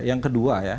yang kedua ya